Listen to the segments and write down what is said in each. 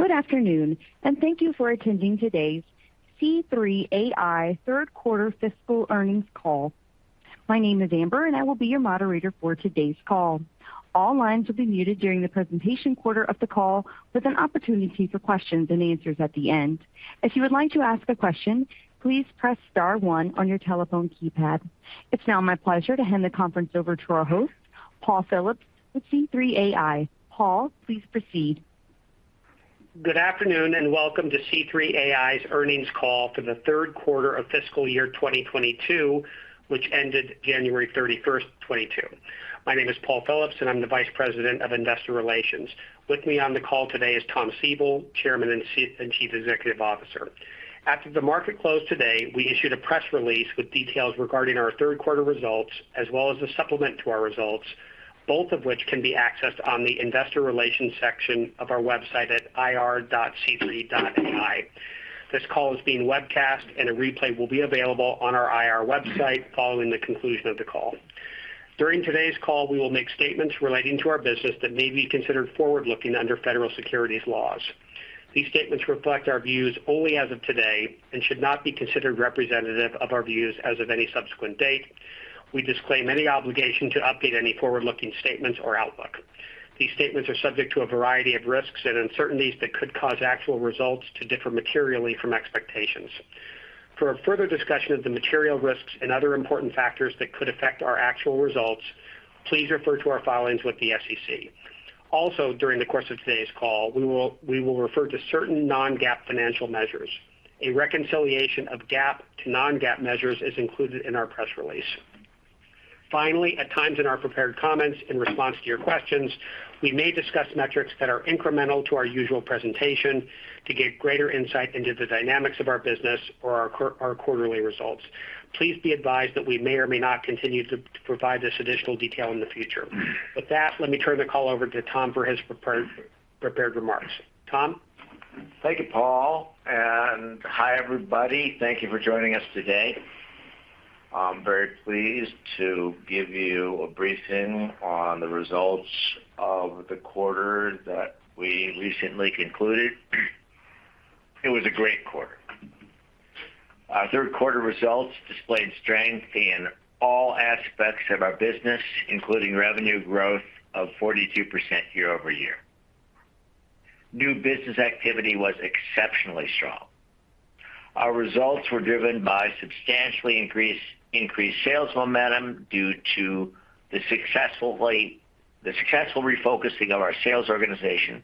Good afternoon, and thank you for attending today's C3.ai Third Quarter Fiscal Earnings Call. My name is Amber, and I will be your moderator for today's call. All lines will be muted during the presentation portion of the call with an opportunity for questions and answers at the end. If you would like to ask a question, please press star one on your telephone keypad. It's now my pleasure to hand the conference over to our host, Paul Phillips with C3.ai. Paul, please proceed. Good afternoon and welcome to C3.ai's earnings call for the Third Quarter of Fiscal Year 2022, which ended January 31st, 2022. My name is Paul Phillips, and I'm the Vice President of Investor Relations. With me on the call today is Thomas Siebel, Chairman and Chief Executive Officer. After the market closed today, we issued a press release with details regarding our third quarter results as well as a supplement to our results, both of which can be accessed on the investor relations section of our website at ir.c3.ai. This call is being webcast, and a replay will be available on our IR website following the conclusion of the call. During today's call, we will make statements relating to our business that may be considered forward-looking under federal securities laws. These statements reflect our views only as of today and should not be considered representative of our views as of any subsequent date. We disclaim any obligation to update any forward-looking statements or outlook. These statements are subject to a variety of risks and uncertainties that could cause actual results to differ materially from expectations. For a further discussion of the material risks and other important factors that could affect our actual results, please refer to our filings with the SEC. Also, during the course of today's call, we will refer to certain non-GAAP financial measures. A reconciliation of GAAP to non-GAAP measures is included in our press release. Finally, at times in our prepared comments in response to your questions, we may discuss metrics that are incremental to our usual presentation to give greater insight into the dynamics of our business or our quarterly results. Please be advised that we may or may not continue to provide this additional detail in the future. With that, let me turn the call over to Tom for his prepared remarks. Tom. Thank you, Paul, and hi, everybody. Thank you for joining us today. I'm very pleased to give you a briefing on the results of the quarter that we recently concluded. It was a great quarter. Our third quarter results displayed strength in all aspects of our business, including revenue growth of 42% year-over-year. New business activity was exceptionally strong. Our results were driven by substantially increased sales momentum due to the successful refocusing of our sales organization,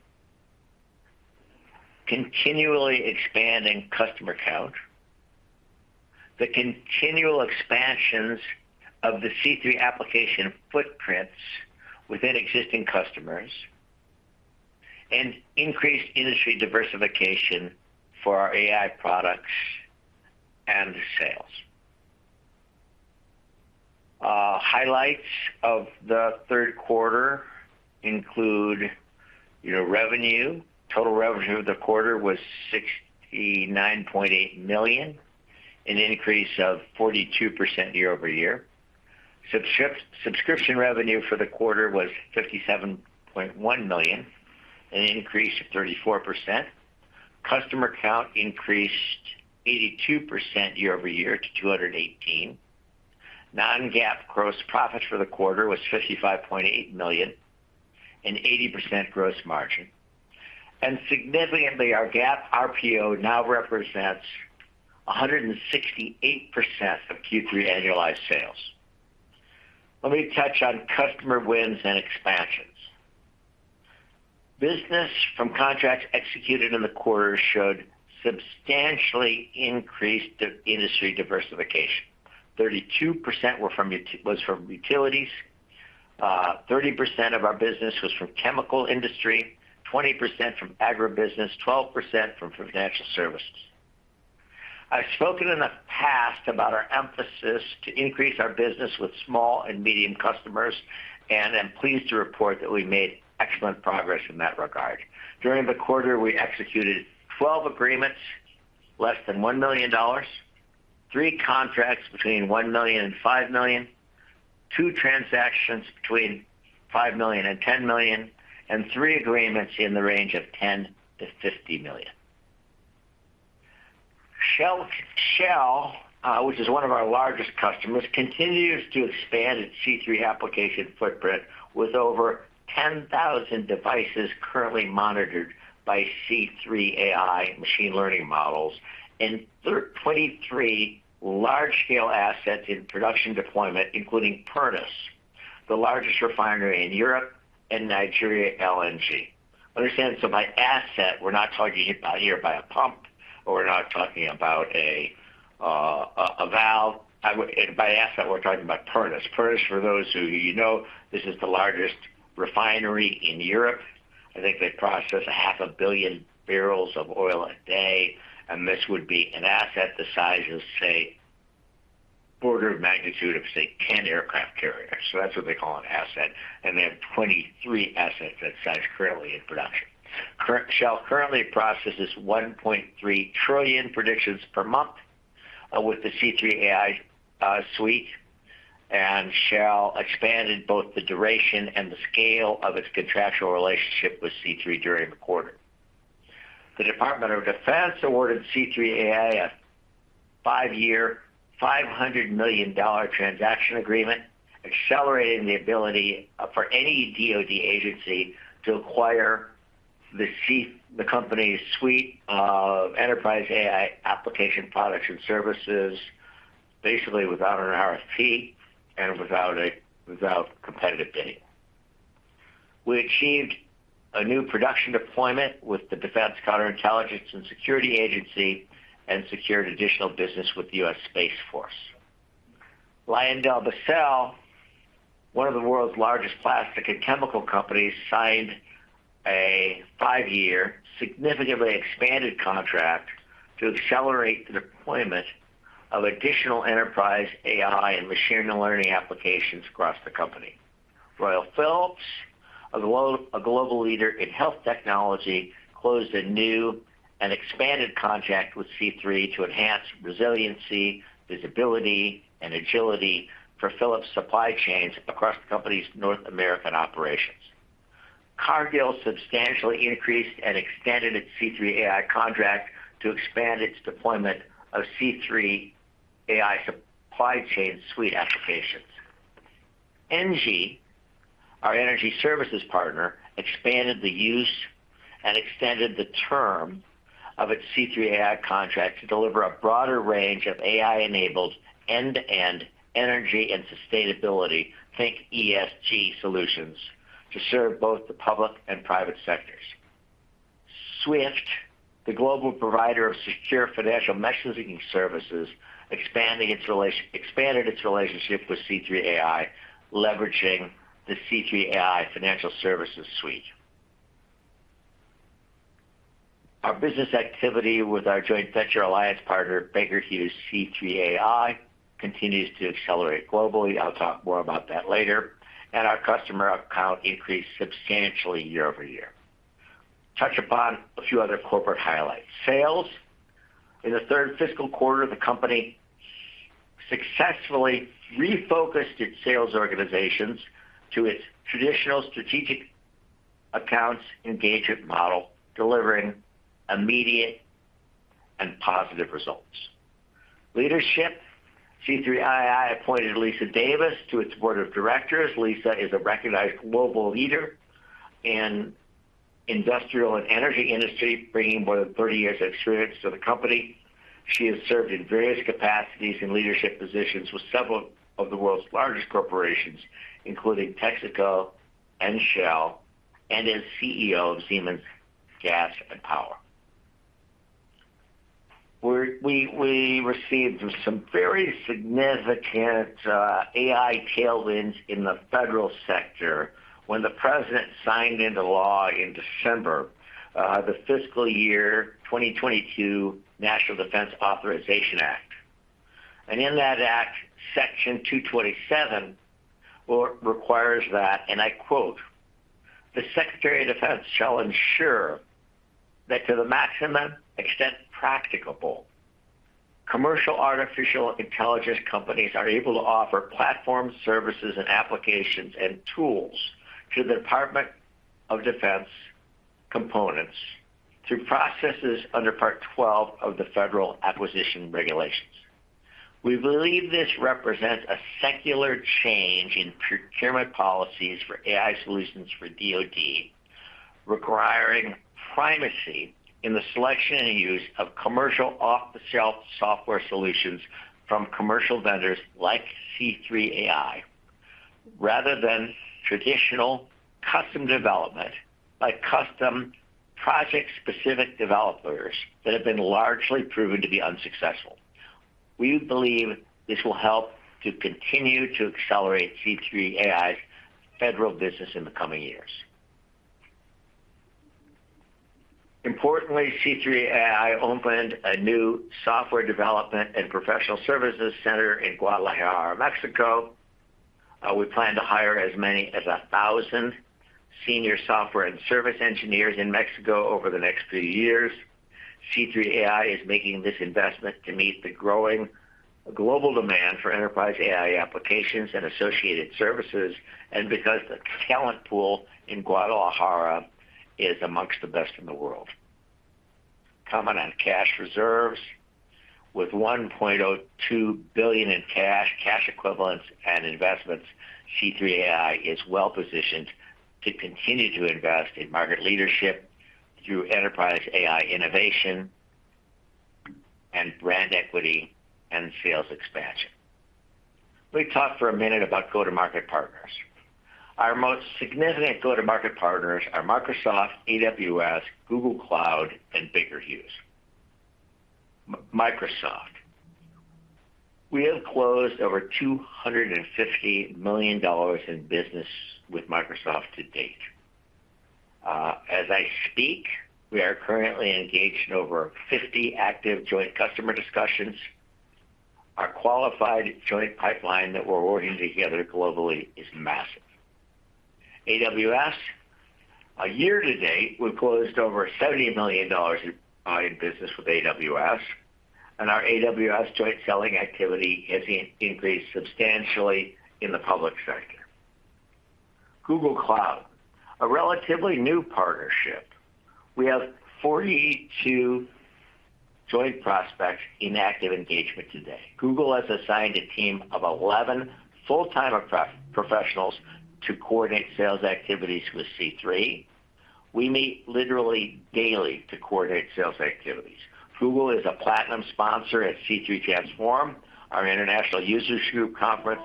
continually expanding customer count, the continual expansions of the C3 application footprints within existing customers, and increased industry diversification for our AI products and sales. Highlights of the third quarter include, you know, revenue. Total revenue of the quarter was $69.8 million, an increase of 42% year-over-year. Subscription revenue for the quarter was $57.1 million, an increase of 34%. Customer count increased 82% year over year to 218. Non-GAAP gross profits for the quarter was $55.8 million, an 80% gross margin. Significantly, our GAAP RPO now represents 168% of Q3 annualized sales. Let me touch on customer wins and expansions. Business from contracts executed in the quarter showed substantially increased industry diversification. 32% were from was from Utilities. 30% of our business was from Chemical industry, 20% from Agribusiness, 12% from Financial services. I've spoken in the past about our emphasis to increase our business with small and medium customers, and I'm pleased to report that we made excellent progress in that regard. During the quarter, we executed 12 agreements less than $1 million, 3 contracts between $1 million and $5 million, 2 transactions between $5 million and $10 million, and 3 agreements in the range of $10 million-$50 million. Shell, which is one of our largest customers, continues to expand its C3 application footprint with over 10,000 devices currently monitored by C3.ai Machine learning models and 23 large-scale assets in production deployment, including Pernis, the largest refinery in Europe, and Nigeria LNG. Understand, so by asset, we're not talking about a pump or a valve. By asset, we're talking about Pernis. Pernis, for those who don't know, this is the largest refinery in Europe. I think they process 0.5 billion bbls of oil a day, and this would be an asset the size of, say, order of magnitude of, say, 10 aircraft carriers. That's what they call an asset, and they have 23 assets that size currently in production. Shell currently processes 1.3 trillion predictions per month. With the C3.ai suite, Shell expanded both the duration and the scale of its contractual relationship with C3.ai during the quarter. The Department of Defense awarded C3.ai a five-year, $500 million transaction agreement, accelerating the ability for any DoD agency to acquire the company's suite of enterprise AI application products and services, basically without an RFP and without competitive bidding. We achieved a new production deployment with the Defense Counterintelligence and Security Agency and secured additional business with the U.S. Space Force. LyondellBasell, one of the world's largest plastic and chemical companies, signed a five-year significantly expanded contract to accelerate the deployment of additional enterprise AI and machine learning applications across the company. Royal Philips, a global leader in health technology, closed a new and expanded contract with C3 to enhance resiliency, visibility, and agility for Philips' supply chains across the company's North American operations. Cargill substantially increased and extended its C3.ai Contract to expand its deployment of C3.ai Supply Chain Suite applications. ENGIE, our energy services partner, expanded the use and extended the term of its C3.ai Contract to deliver a broader range of AI-enabled end-to-end energy and sustainability, think ESG solutions, to serve both the public and private sectors. SWIFT, the global provider of secure financial messaging services, expanded its relationship with C3.ai, leveraging the C3.ai Financial Services Suite. Our business activity with our joint venture alliance partner, Baker Hughes C3.ai, continues to accelerate globally. I'll talk more about that later. Our customer accounts increased substantially year-over-year. I'll touch upon a few other corporate highlights. Sales. In the third fiscal quarter, the company successfully refocused its sales organizations to its traditional strategic accounts engagement model, delivering immediate and positive results. Leadership. C3.ai appointed Lisa Davis to its board of directors. Lisa is a recognized global leader in industrial and energy industries, bringing more than 30 years of experience to the company. She has served in various capacities and leadership positions with several of the world's largest corporations, including Texaco and Shell, and as CEO of Siemens Energy. We received some very significant AI tailwinds in the federal sector when the President signed into law in December the fiscal year 2022 National Defense Authorization Act. In that act, Section 227 requires that, and I quote, "The Secretary of Defense shall ensure that to the maximum extent practicable, commercial artificial intelligence companies are able to offer platforms, services, and applications and tools to the Department of Defense components through processes under Part 12 of the Federal Acquisition Regulation." We believe this represents a secular change in procurement policies for AI solutions for DoD, requiring primacy in the selection and use of commercial off-the-shelf software solutions from commercial vendors like C3.ai, rather than traditional custom development by custom project-specific developers that have been largely proven to be unsuccessful. We believe this will help to continue to accelerate C3.ai's federal business in the coming years. Importantly, C3.ai opened a new software development and professional services center in Guadalajara, Mexico. We plan to hire as many as 1,000 senior software and service engineers in Mexico over the next few years. C3.ai is making this investment to meet the growing global demand for enterprise AI applications and associated services, and because the talent pool in Guadalajara is amongst the best in the world. Comment on cash reserves. With $1.02 billion in cash equivalents, and investments, C3.ai is well-positioned to continue to invest in market leadership through enterprise AI innovation and brand equity and sales expansion. Let me talk for a minute about go-to-market partners. Our most significant go-to-market partners are Microsoft, AWS, Google Cloud, and Baker Hughes. We have closed over $250 million in business with Microsoft to date. As I speak, we are currently engaged in over 50 active joint customer discussions. Our qualified joint pipeline that we're working together globally is massive. AWS. Year to date, we've closed over $70 million in booking business with AWS, and our AWS joint selling activity has increased substantially in the public sector. Google Cloud, a relatively new partnership. We have 42 joint prospects in active engagement today. Google has assigned a team of 11 full-time professionals to coordinate sales activities with C3.ai. We meet literally daily to coordinate sales activities. Google is a platinum sponsor at C3 Transform, our international user group conference,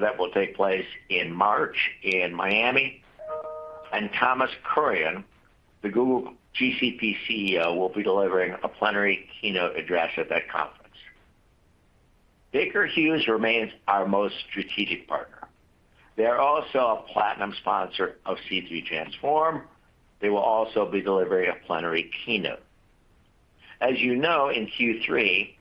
that will take place in March in Miami. Thomas Kurian, the Google Cloud CEO, will be delivering a plenary keynote address at that conference. Baker Hughes remains our most strategic partner. They are also a platinum sponsor of C3 Transform. They will also be delivering a plenary keynote. As you know, in Q3,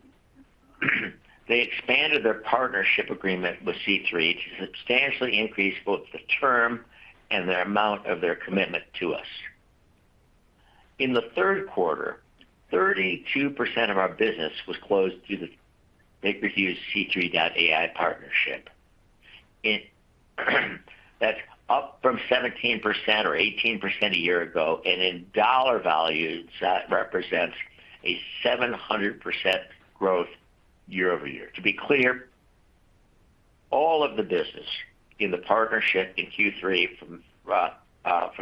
they expanded their partnership agreement with C3 to substantially increase both the term and the amount of their commitment to us. In the third quarter, 32% of our business was closed through the Baker Hughes-C3.ai partnership. That's up from 17% or 18% a year ago, and in dollar value, that represents a 700% growth year-over-year. To be clear, all of the business in the partnership in Q3 from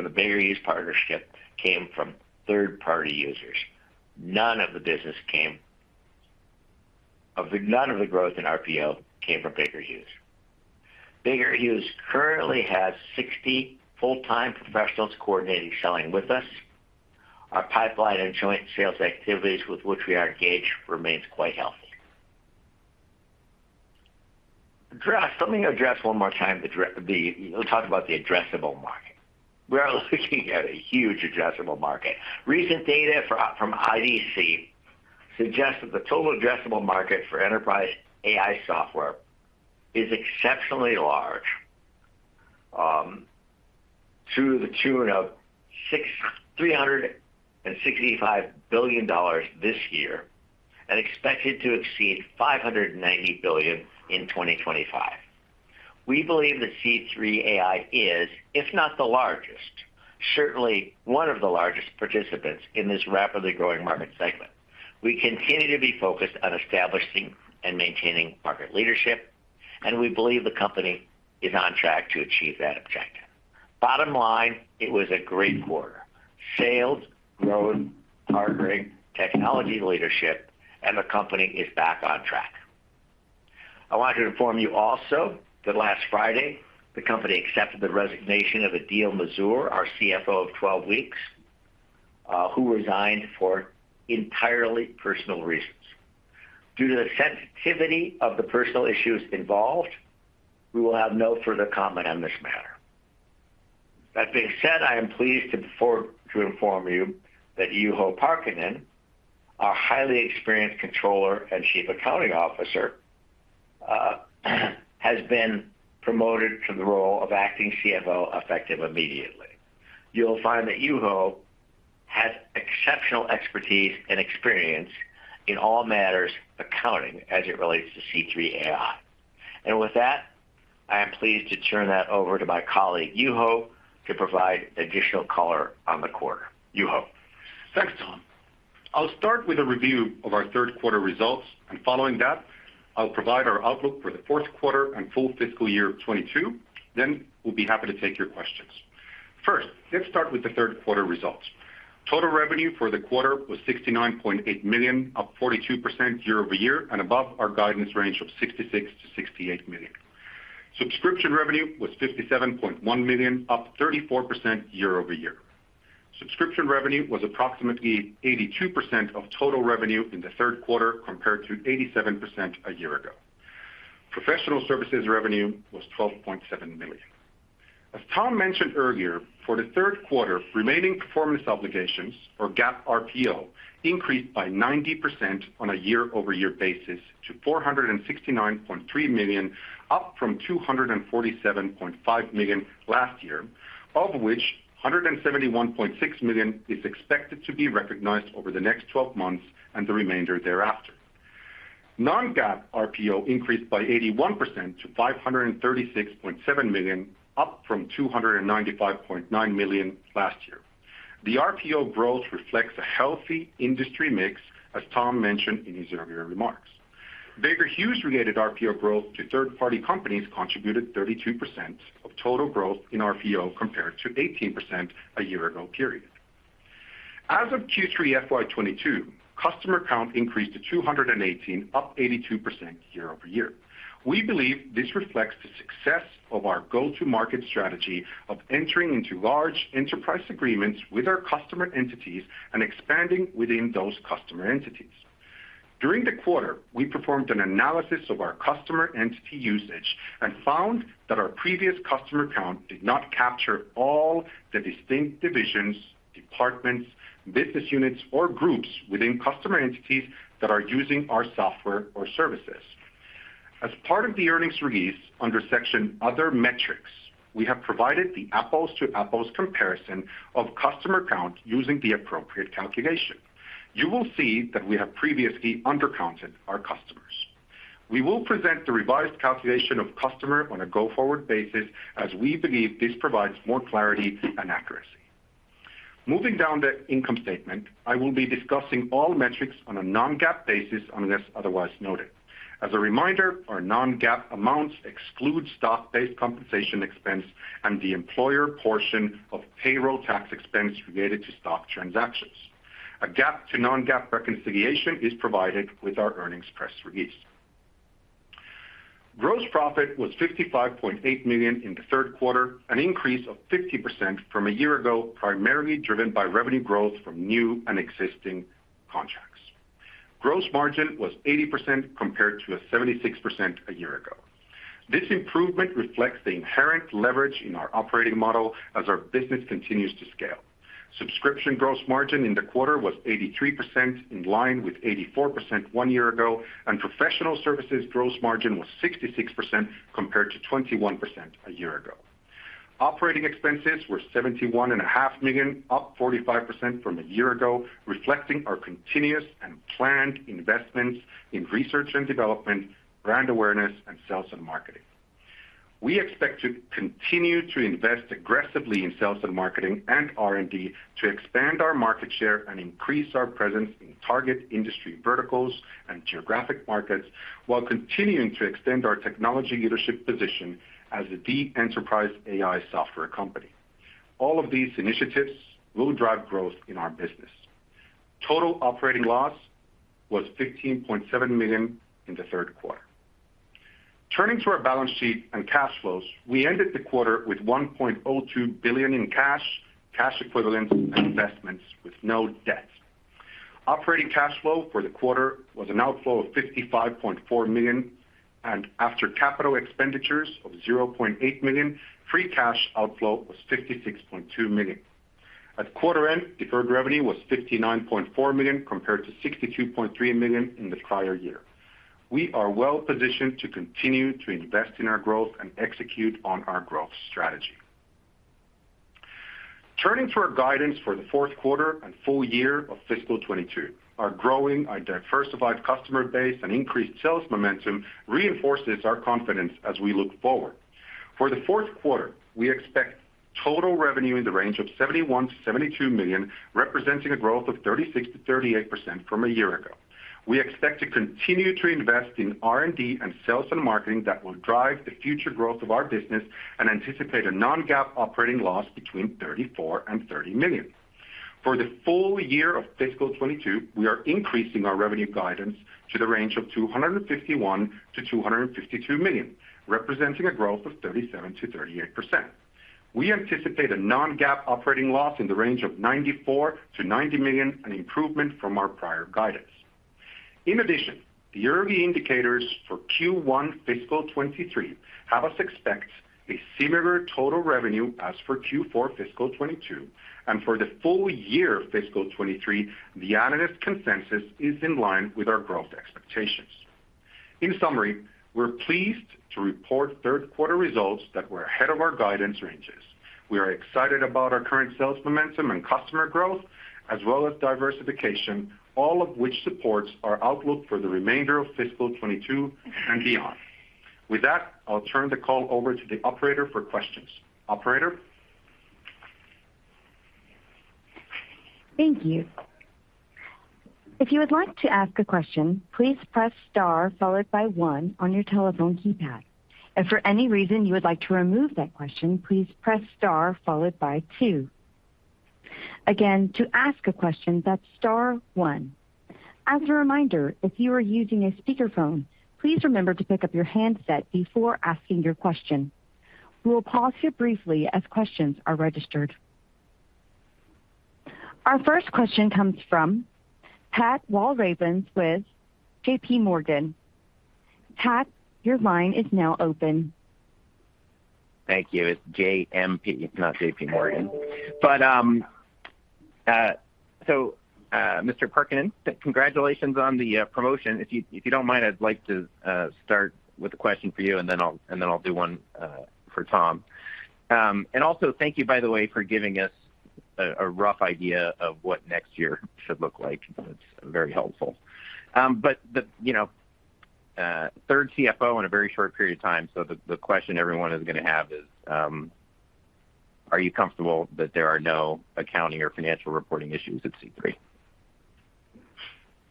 the Baker Hughes partnership came from third-party users. None of the growth in RPO came from Baker Hughes. Baker Hughes currently has 60 full-time professionals coordinating selling with us. Our pipeline and joint sales activities with which we are engaged remains quite healthy. Let's talk about the addressable market. We are looking at a huge addressable market. Recent data from IDC suggests that the total addressable market for enterprise AI software is exceptionally large, to the tune of $365 billion this year, and expected to exceed $590 billion in 2025. We believe that C3.ai is, if not the largest, certainly one of the largest participants in this rapidly growing market segment. We continue to be focused on establishing and maintaining market leadership, and we believe the company is on track to achieve that objective. Bottom line, it was a great quarter. Sales, growth, partnering, technology leadership, and the company is back on track. I wanted to inform you also that last Friday, the company accepted the resignation of Adeel Manzoor, our CFO of 12 weeks, who resigned for entirely personal reasons. Due to the sensitivity of the personal issues involved, we will have no further comment on this matter. That being said, I am pleased to inform you that Juho Parkkinen, our highly experienced controller and Chief Accounting Officer, has been promoted to the role of acting CFO, effective immediately. You'll find that Juho has exceptional expertise and experience in all matters accounting as it relates to C3.ai. With that, I am pleased to turn that over to my colleague, Juho, to provide additional color on the quarter. Juho. Thanks, Tom. I'll start with a review of our third quarter results, and following that, I'll provide our outlook for the fourth quarter and full fiscal year 2022, then we'll be happy to take your questions. First, let's start with the third quarter results. Total revenue for the quarter was $69.8 million, up 42% year-over-year and above our guidance range of $66-$68 million. Subscription revenue was $57.1 million, up 34% year-over-year. Subscription revenue was approximately 82% of total revenue in the third quarter compared to 87% a year ago. Professional services revenue was $12.7 million. As Tom mentioned earlier, for the third quarter, remaining performance obligations or GAAP RPO increased by 90% on a year-over-year basis to $469.3 million, up from $247.5 million last year, of which $171.6 million is expected to be recognized over the next 12 months and the remainder thereafter. Non-GAAP RPO increased by 81% to $536.7 million, up from $295.9 million last year. The RPO growth reflects a healthy industry mix, as Tom mentioned in his earlier remarks. Baker Hughes-related RPO growth to third-party companies contributed 32% of total growth in RPO compared to 18% a year ago period. As of Q3 FY 2022, customer count increased to 218, up 82% year-over-year. We believe this reflects the success of our go-to-market strategy of entering into large enterprise agreements with our customer entities and expanding within those customer entities. During the quarter, we performed an analysis of our customer entity usage and found that our previous customer count did not capture all the distinct divisions, departments, business units or groups within customer entities that are using our software or services. As part of the earnings release under section Other Metrics, we have provided the apples-to-apples comparison of customer count using the appropriate calculation. You will see that we have previously undercounted our customers. We will present the revised calculation of customer on a go-forward basis as we believe this provides more clarity and accuracy. Moving down the income statement, I will be discussing all metrics on a non-GAAP basis unless otherwise noted. As a reminder, our non-GAAP amounts exclude stock-based compensation expense and the employer portion of payroll tax expense related to stock transactions. A GAAP to non-GAAP reconciliation is provided with our earnings press release. Gross profit was $55.8 million in the third quarter, an increase of 50% from a year ago, primarily driven by revenue growth from new and existing contracts. Gross margin was 80% compared to 76% a year ago. This improvement reflects the inherent leverage in our operating model as our business continues to scale. Subscription gross margin in the quarter was 83%, in line with 84% one year ago, and professional services gross margin was 66% compared to 21% a year ago. Operating expenses were $71.5 million, up 45% from a year ago, reflecting our continuous and planned investments in research and development, brand awareness, and sales and marketing. We expect to continue to invest aggressively in sales and marketing and R&D to expand our market share and increase our presence in target industry verticals and geographic markets, while continuing to extend our technology leadership position as the deep enterprise AI software company. All of these initiatives will drive growth in our business. Total operating loss was $15.7 million in the third quarter. Turning to our balance sheet and cash flows, we ended the quarter with $1.02 billion in cash equivalents, and investments with no debt. Operating cash flow for the quarter was an outflow of $55.4 million, and after capital expenditures of $0.8 million, free cash outflow was $56.2 million. At quarter end, deferred revenue was $59.4 million compared to $62.3 million in the prior year. We are well positioned to continue to invest in our growth and execute on our growth strategy. Turning to our guidance for the fourth quarter and full year of fiscal 2022. Our growing and diversified customer base and increased sales momentum reinforces our confidence as we look forward. For the fourth quarter, we expect total revenue in the range of $71 million-$72 million, representing a growth of 36%-38% from a year ago. We expect to continue to invest in R&D and sales and marketing that will drive the future growth of our business and anticipate a non-GAAP operating loss between $30 million and $34 million. For the full year of fiscal 2022, we are increasing our revenue guidance to the range of $251 million-$252 million, representing a growth of 37%-38%. We anticipate a non-GAAP operating loss in the range of $90 million-$94 million, an improvement from our prior guidance. In addition, the early indicators for Q1 fiscal 2023 have us expect a similar total revenue as for Q4 fiscal 2022. For the full year fiscal 2023, the analyst consensus is in line with our growth expectations. In summary, we're pleased to report third quarter results that were ahead of our guidance ranges. We are excited about our current sales momentum and customer growth, as well as diversification, all of which supports our outlook for the remainder of fiscal 2022 and beyond. With that, I'll turn the call over to the operator for questions. Operator? Thank you. If you would like to ask a question, please press star followed by one on your telephone keypad. If for any reason you would like to remove that question, please press star followed by two. Again, to ask a question, that's star one. As a reminder, if you are using a speakerphone, please remember to pick up your handset before asking your question. We will pause here briefly as questions are registered. Our first question comes from Pat Walravens with JMP Securities. Pat, your line is now open. Thank you. It's JMP, not JPMorgan. Mr. Parkkinen, congratulations on the promotion. If you don't mind, I'd like to start with a question for you, and then I'll do one for Tom. Also thank you, by the way, for giving us a rough idea of what next year should look like. That's very helpful. You know, the third CFO in a very short period of time. The question everyone is going to have is, are you comfortable that there are no accounting or financial reporting issues at C3.ai?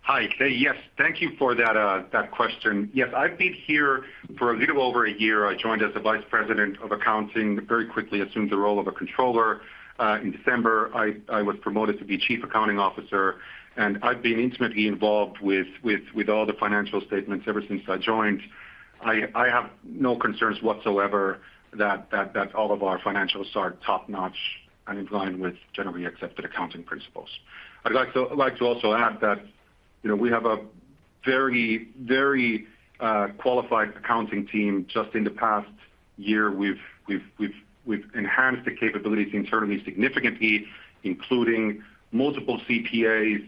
Hi. Yes. Thank you for that question. Yes. I've been here for a little over a year. I joined as the Vice President of Accounting, very quickly assumed the role of a controller. In December, I was promoted to be Chief Accounting Officer, and I've been intimately involved with all the financial statements ever since I joined. I have no concerns whatsoever that all of our financials are top-notch and in line with generally accepted accounting principles. I'd like to also add that, you know, we have a very qualified accounting team. Just in the past year, we've enhanced the capabilities internally significantly, including multiple CPAs,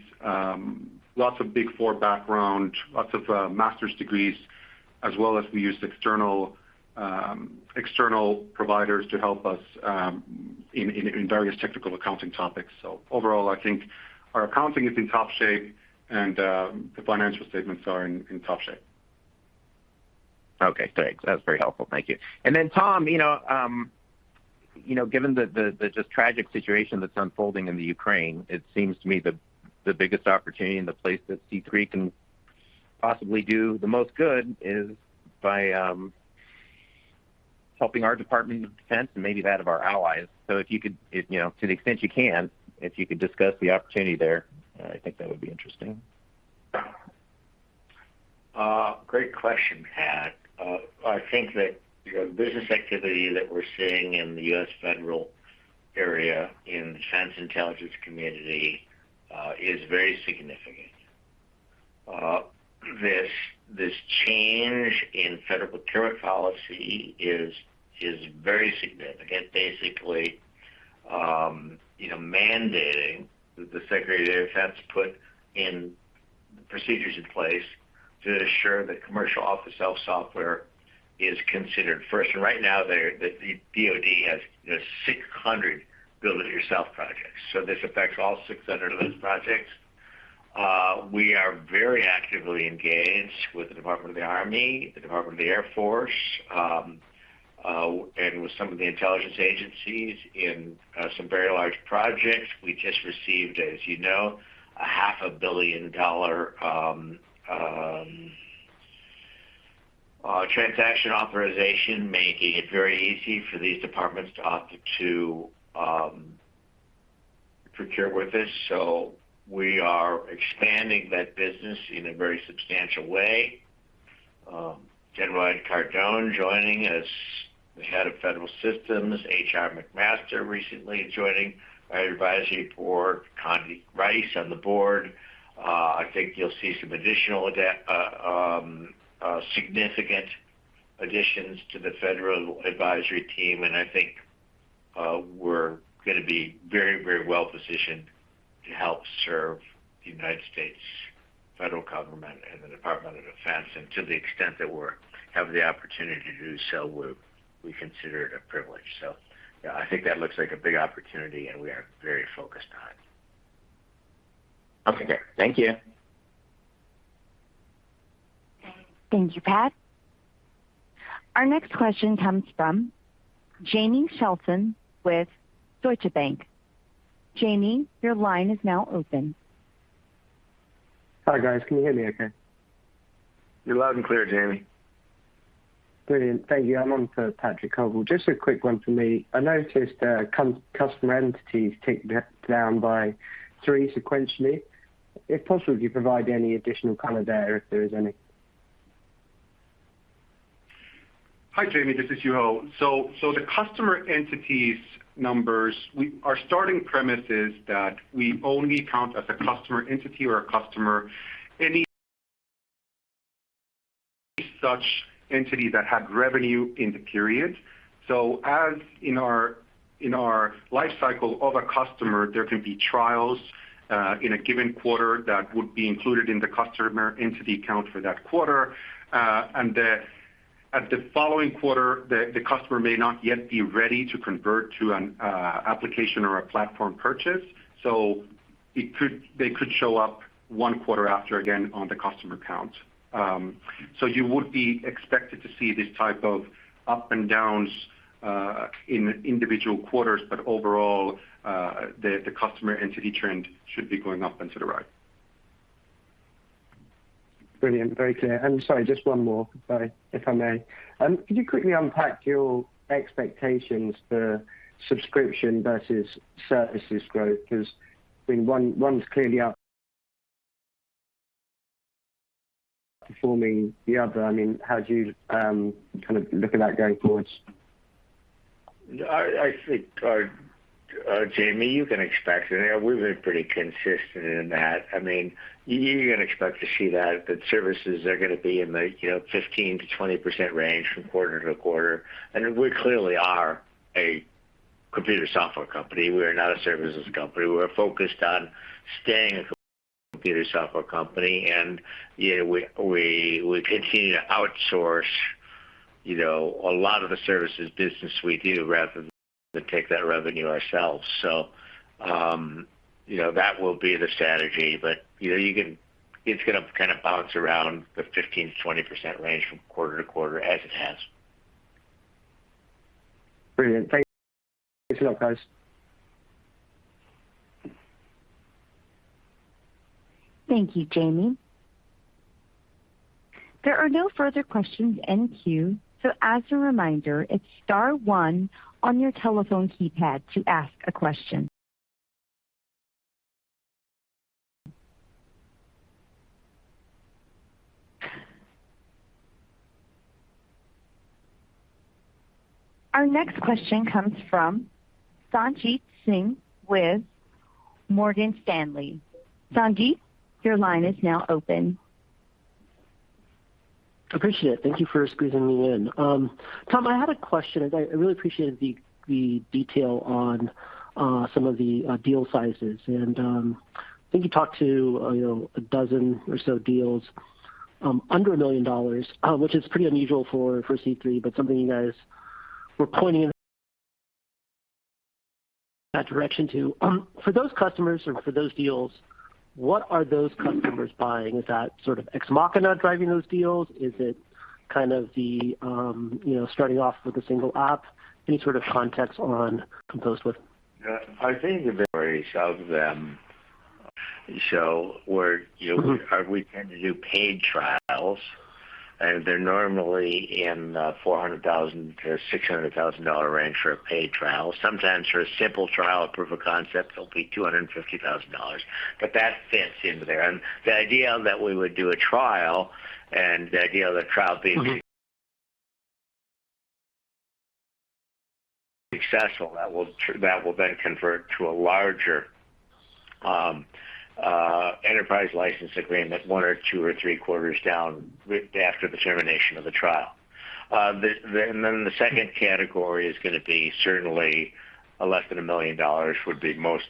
lots of Big Four background, lots of master's degrees, as well as we use external providers to help us in various technical accounting topics. Overall, I think our accounting is in top shape and the financial statements are in top shape. Okay, great. That's very helpful. Thank you. Then Tom, you know, given the just tragic situation that's unfolding in Ukraine, it seems to me the biggest opportunity and the place that C3.ai can possibly do the most good is by helping our Department of Defense and maybe that of our allies. If you could, you know, to the extent you can, discuss the opportunity there, I think that would be interesting. Great question, Pat. I think that, you know, the business activity that we're seeing in the U.S. federal area in the defense intelligence community is very significant. This change in federal procurement policy is very significant, basically, you know, mandating that the Secretary of Defense put in procedures in place to ensure that commercial off-the-shelf software is considered first. Right now, the DoD has 600 build it yourself projects. This affects all 600 of those projects. We are very actively engaged with the Department of the Army, the Department of the Air Force, and with some of the intelligence agencies in some very large projects. We just received, as you know, a $0.5 billion transaction authorization, making it very easy for these departments to opt to procure with us. We are expanding that business in a very substantial way. General Ed Cardon joining as the Head of Federal Systems, H.R. McMaster recently joining our advisory board, Condoleezza Rice on the board. I think you'll see some additional significant additions to the federal advisory team, and I think we're going to be very, very well positioned to help serve the United States Federal Government and the Department of Defense. To the extent that we have the opportunity to do so, we consider it a privilege. Yeah, I think that looks like a big opportunity and we are very focused on it. Okay. Thank you. Thank you, Pat. Our next question comes from Jamie Shelton with Deutsche Bank. Jamie, your line is now open. Hi, guys. Can you hear me, okay? You're loud and clear, Jamie. Brilliant. Thank you. I'm on for Patrick Colville. Just a quick one for me. I noticed customer entities ticked down by 3 sequentially. If possible, could you provide any additional color there, if there is any? Hi, Jamie, this is Juho. The customer entities numbers, our starting premise is that we only count as a customer entity or a customer any such entity that had revenue in the period. As in our life cycle of a customer, there can be trials in a given quarter that would be included in the customer entity count for that quarter. At the following quarter, the customer may not yet be ready to convert to an application or a platform purchase, so they could show up one quarter after again on the customer count. You would be expected to see these type of up and downs in individual quarters. Overall, the customer entity trend should be going up and to the right. Brilliant. Very clear. Sorry, just one more. Sorry, if I may. Could you quickly unpack your expectations for subscription versus services growth? Because I mean, one's clearly outperforming the other. I mean, how do you, kind of look at that going forwards? I think, Jamie, you can expect, you know, we've been pretty consistent in that. I mean, you're going to expect to see that services are going to be in the, you know, 15%-20% range from quarter to quarter. We clearly are a computer software company. We are not a services company. We're focused on staying a computer software company. You know, we continue to outsource, you know, a lot of the services business we do rather than take that revenue ourselves. You know, that will be the strategy. You know, you can. It's going to kind of bounce around the 15%-20% range from quarter to quarter as it has. Brilliant. Thank you. Good luck, guys. Thank you, Jamie. There are no further questions in queue. As a reminder, it's star one on your telephone keypad to ask a question. Our next question comes from Sanjit Singh with Morgan Stanley. Sanjit, your line is now open. Appreciate it. Thank you for squeezing me in. Tom, I had a question. I really appreciated the detail on some of the deal sizes. I think you talked about you know, a dozen or so deals under $1 million, which is pretty unusual for C3.ai, but something you guys were pointing that direction to. For those customers or for those deals, what are those customers buying? Is that sort of Ex Machina driving those deals? Is it kind of the you know, starting off with a single app? Any sort of context on composable? Yeah. I think the majority of them, you know, we tend to do paid trials, and they're normally in $400,000-$600,000 range for a paid trial. Sometimes for a simple trial proof of concept, it'll be $250,000. That fits into there. The idea that we would do a trial and the idea of the trial being successful, that will then convert to a larger enterprise license agreement one or two or three quarters down after the termination of the trial. Then the second category is going to be certainly less than $1 million would be most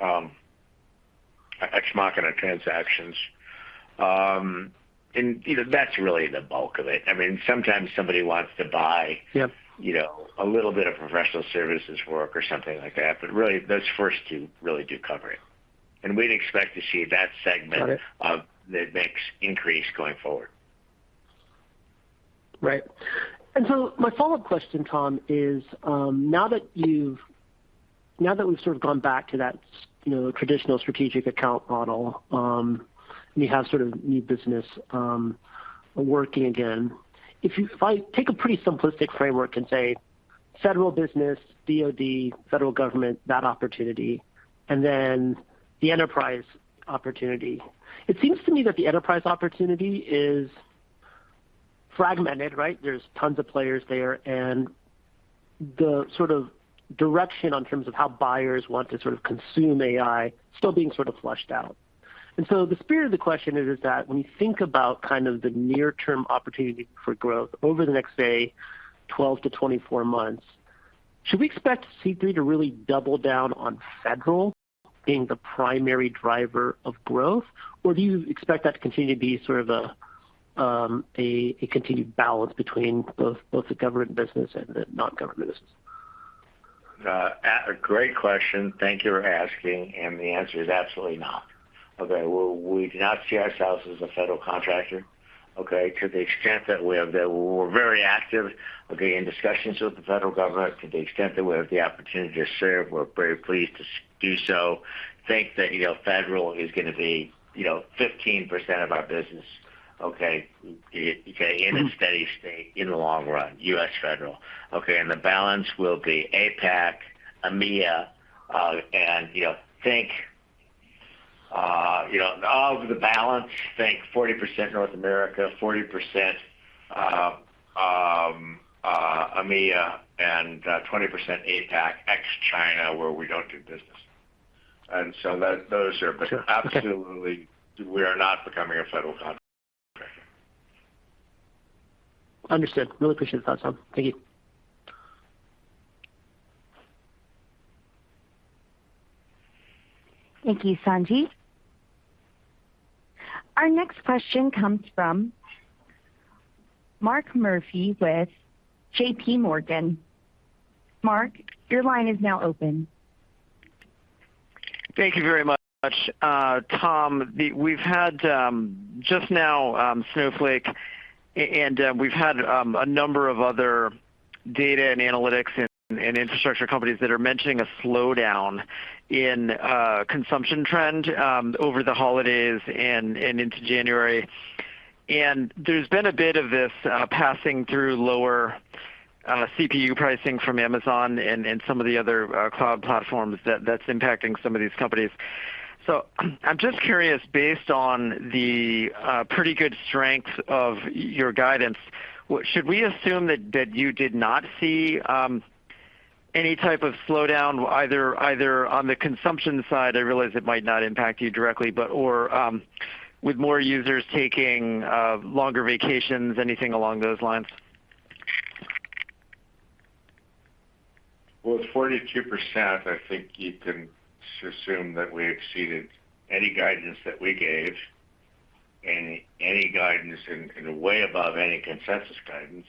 Ex Machina transactions. You know, that's really the bulk of it. I mean, sometimes somebody wants to buy. Yep. You know, a little bit of professional services work or something like that, but really, those first two really do cover it, we'd expect to see that segment- Got it. Of the mix increase going forward. Right. My follow-up question, Tom, is, now that we've sort of gone back to that, you know, traditional strategic account model, and you have sort of new business, working again, if I take a pretty simplistic framework and say, federal business, DOD, federal government, that opportunity, and then the enterprise opportunity. It seems to me that the enterprise opportunity is fragmented, right? There's tons of players there, and the sort of direction in terms of how buyers want to sort of consume AI still being sort of fleshed out. The spirit of the question is, that when you think about kind of the near-term opportunity for growth over the next, say, 12-24 months, should we expect C3.ai to really double down on federal being the primary driver of growth? Do you expect that to continue to be sort of a continued balance between both the government business and the non-government business? A great question. Thank you for asking. The answer is absolutely not. Okay. We do not see ourselves as a federal contractor, okay? To the extent that we're very active, okay, in discussions with the federal government to the extent that we have the opportunity to serve, we're very pleased to do so. Think that, you know, federal is going to be, you know, 15% of our business, okay? In a steady state in the long run, U.S. federal, okay? The balance will be APAC, EMEA, and, you know, think, you know, of the balance, think 40% North America, 40% EMEA and 20% APAC, ex-China, where we don't do business. Those are- Sure. Okay. Absolutely, we are not becoming a federal contractor. Understood. I really appreciate your thoughts, Tom. Thank you. Thank you, Sanjit. Our next question comes from Mark Murphy with JPMorgan. Mark, your line is now open. Thank you very much. Tom, we've had just now Snowflake, and we've had a number of other data and analytics and infrastructure companies that are mentioning a slowdown in consumption trend over the holidays and into January. There's been a bit of this passing through lower CPU pricing from Amazon and some of the other cloud platforms that's impacting some of these companies. I'm just curious, based on the pretty good strength of your guidance, what should we assume that you did not see any type of slowdown either on the consumption side? I realize it might not impact you directly, but or with more users taking longer vacations, anything along those lines? Well, it's 42%. I think you can assume that we exceeded any guidance that we gave and way above any consensus guidance.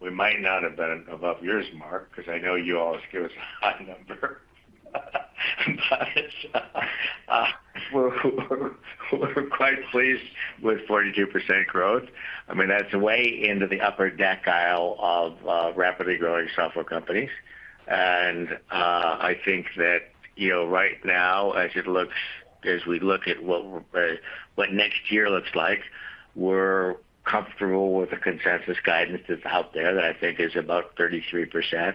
We might not have been above yours, Mark, because I know you always give us a high number. We're quite pleased with 42% growth. I mean, that's way into the upper decile of rapidly growing software companies. I think that, you know, right now, as we look at what next year looks like, we're comfortable with the consensus guidance that's out there that I think is about 33%.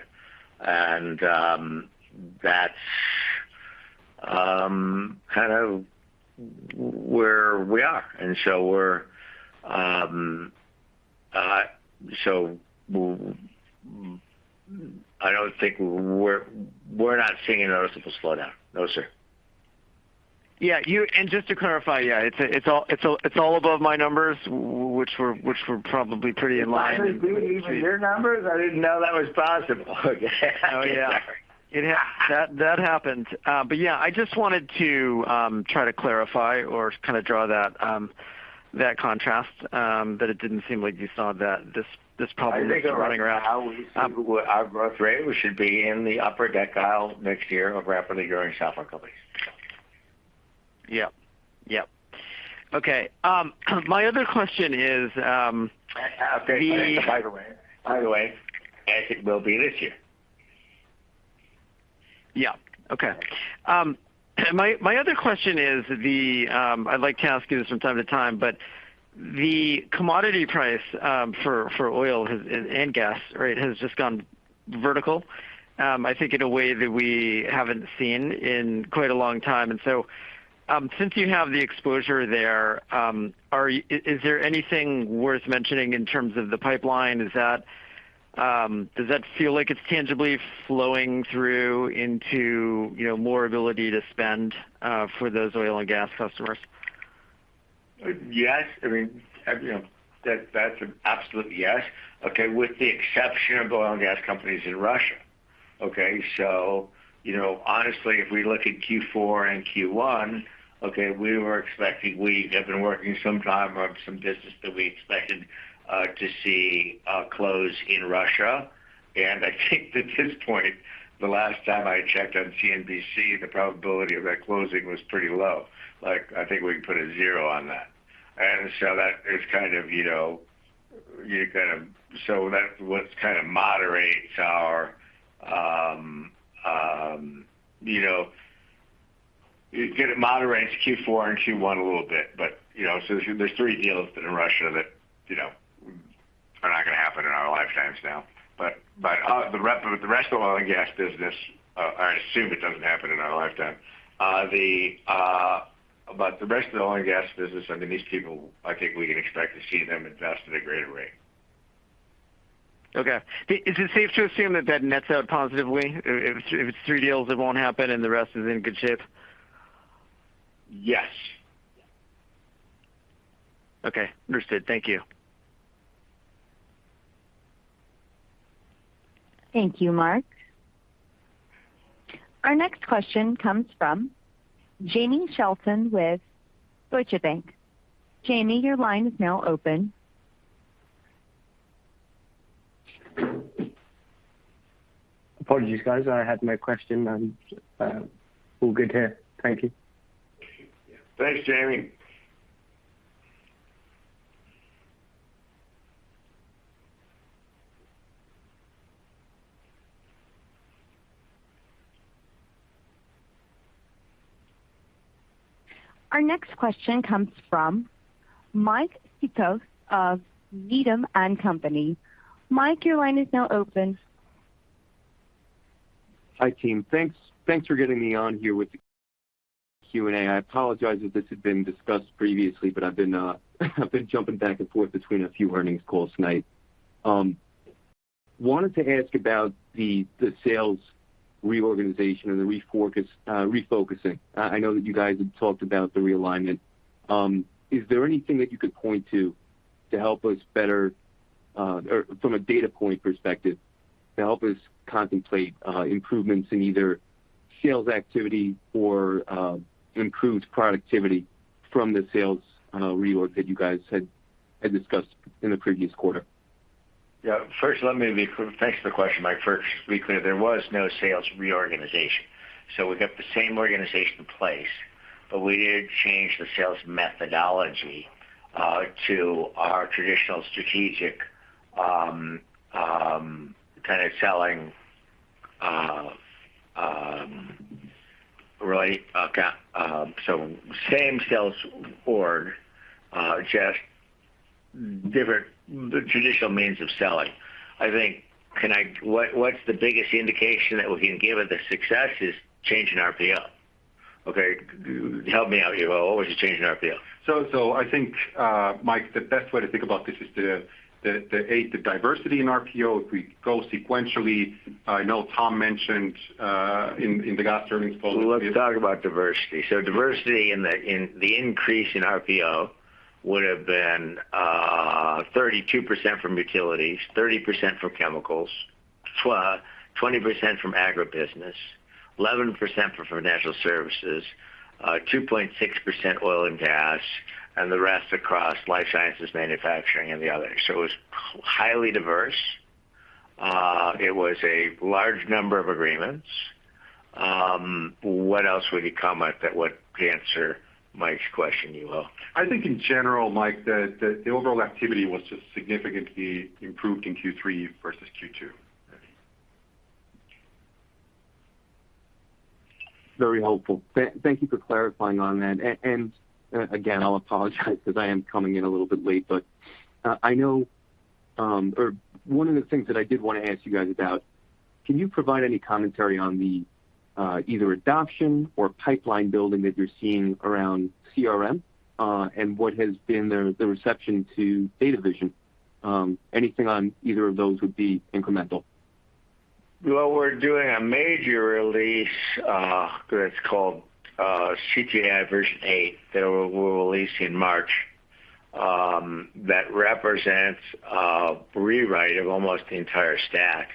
That's kind of where we are. I don't think we're not seeing a noticeable slowdown. No, sir. Yeah. Just to clarify, yeah, it's all above my numbers, which were probably pretty in line. Your numbers? I didn't know that was possible. Oh, yeah. That happened. Yeah, I just wanted to try to clarify or kind of draw that contrast that it didn't seem like you saw that this problem was running around. I think our growth rate. We should be in the upper decile next year of rapidly growing software companies. Yep. Okay. My other question is, By the way, as it will be this year. Yeah. Okay. My other question is, I like to ask you this from time to time, but the commodity price for oil and gas, right, has just gone vertical, I think in a way that we haven't seen in quite a long time. Since you have the exposure there, is there anything worth mentioning in terms of the pipeline? Does that feel like it's tangibly flowing through into, you know, more ability to spend for those oil and gas customers? Yes. I mean, you know, that's an absolute yes, okay, with the exception of oil and gas companies in Russia, okay? You know, honestly, if we look at Q4 and Q1, okay, we were expecting. We have been working some time on some business that we expected to see close in Russia, and I think that at this point, the last time I checked on CNBC, the probability of that closing was pretty low. Like, I think we can put a zero on that. And so that is kind of, you know, that's what kind of moderates our, you know, it moderates Q4 and Q1 a little bit. You know, there's three deals in Russia that, you know, are not going to happen in our lifetimes now. The rest of oil and gas business, I assume it doesn't happen in our lifetime. The rest of the oil and gas business, I mean, these people, I think we can expect to see them invest at a greater rate. Is it safe to assume that nets out positively if it's three deals that won't happen and the rest is in good shape? Yes. Okay. Understood. Thank you. Thank you, Mark. Our next question comes from Jamie Shelton with Deutsche Bank. Jamie, your line is now open. Apologies, guys. I had no question. I'm all good here. Thank you. Thanks, Jamie. Our next question comes from Mike Cikos of Needham & Company. Mike, your line is now open. Hi, team. Thanks for getting me on here with the Q&A. I apologize if this had been discussed previously, but I've been jumping back and forth between a few earnings calls tonight. Wanted to ask about the sales reorganization and the refocusing. I know that you guys have talked about the realignment. Is there anything that you could point to to help us better or from a data point perspective to help us contemplate improvements in either sales activity or improved productivity from the sales reorg that you guys had discussed in the previous quarter? Thanks for the question, Mike. First, to be clear, there was no sales reorganization. We got the same organization in place, but we did change the sales methodology to our traditional strategic kind of selling really. Same sales org just different traditional means of selling. I think what's the biggest indication that we can give of the success is change in RPO. Okay. Help me out here Juho. What was the change in RPO? I think, Mike, the best way to think about this is the diversity in RPO. If we go sequentially, I know Tom mentioned in the last earnings call- Let's talk about diversity. Diversity in the increase in RPO would have been 32% from Utilities, 30% from Chemicals, 20% from Agribusiness, 11% from Financial services, 2.6% Oil and Gas, and the rest across Life Sciences, Manufacturing and the other. It was highly diverse. It was a large number of agreements. What else would you comment that would answer Mike's question,? I think in general, Mike, the overall activity was just significantly improved in Q3 versus Q2. Very helpful. Thank you for clarifying on that. Again, I'll apologize as I am coming in a little bit late, but I know, or one of the things that I did want to ask you guys about, can you provide any commentary on the either adoption or pipeline building that you're seeing around CRM, and what has been the reception to Data Vision? Anything on either of those would be incremental. Well, we're doing a major release, that's called C3.ai Version 8 that we'll release in March. That represents a rewrite of almost the entire stack.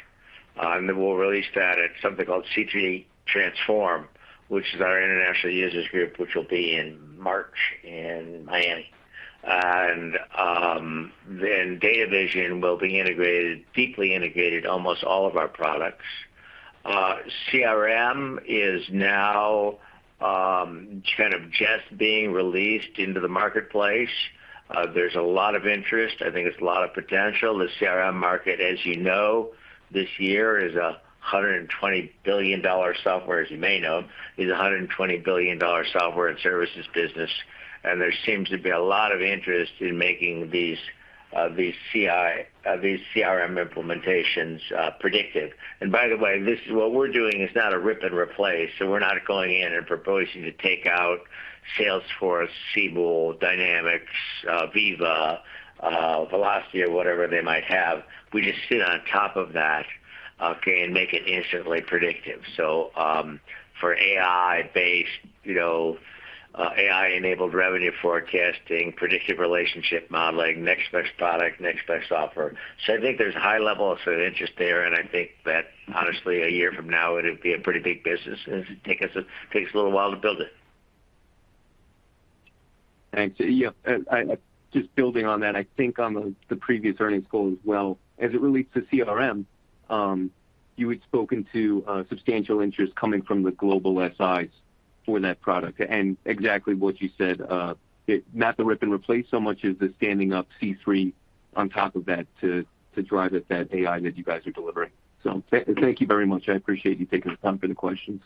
We'll release that at something called C3 Transform, which is our international users group, which will be in March in Miami. C3.ai Data Vision will be integrated, deeply integrated, almost all of our products. C3.ai CRM is now kind of just being released into the marketplace. There's a lot of interest. I think there's a lot of potential. The CRM market, as you know, this year is a $120 billion software and services business. There seems to be a lot of interest in making these CRM implementations predictive. By the way, this is what we're doing is not a rip and replace. We're not going in and proposing to take out Salesforce, Siebel, Dynamics, Veeva, Velocify, or whatever they might have. We just sit on top of that, okay, and make it instantly predictive. For AI-based, you know, AI-enabled revenue forecasting, predictive relationship modeling, next best product, next best offer. I think there's a high level of interest there, and I think that honestly, a year from now, it'd be a pretty big business. It takes a little while to build it. Thanks. Yeah. I just building on that, I think on the previous earnings call as well, as it relates to CRM, you had spoken to substantial interest coming from the global SIs for that product. Exactly what you said, not the rip and replace so much as the standing up C3 on top of that to drive at that AI that you guys are delivering. Thank you very much. I appreciate you taking the time for the questions.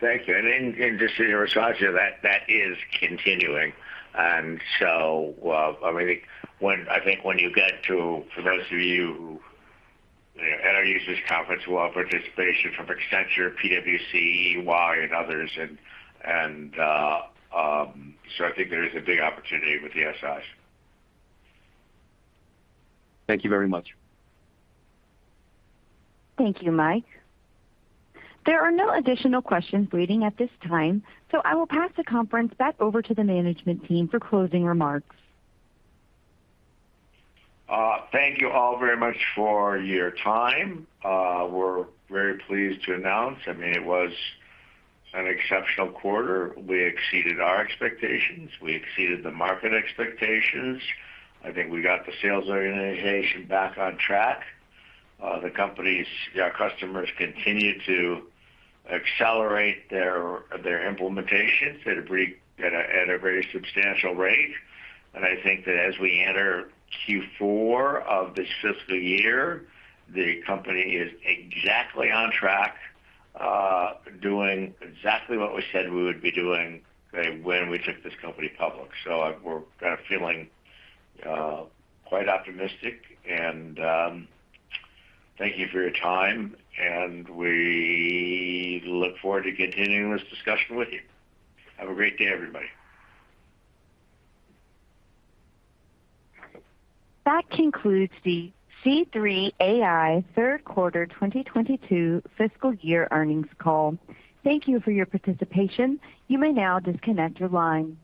Thank you. Just in regards to that is continuing. I think when you get to for those of you who are at our users conference, we'll have participation from Accenture, PwC, EY, and others. I think there is a big opportunity with the SIs. Thank you very much. Thank you, Mike. There are no additional questions waiting at this time, so I will pass the conference back over to the management team for closing remarks. Thank you all very much for your time. We're very pleased to announce, I mean, it was an exceptional quarter. We exceeded our expectations. We exceeded the market expectations. I think we got the sales organization back on track. Our customers continue to accelerate their implementations at a very substantial rate. I think that as we enter Q4 of this fiscal year, the company is exactly on track, doing exactly what we said we would be doing when we took this company public. We're kind of feeling quite optimistic. Thank you for your time, and we look forward to continuing this discussion with you. Have a great day, everybody. That concludes the C3.ai Third Quarter 2022 Fiscal Year Earnings Call. Thank you for your participation. You may now disconnect your line.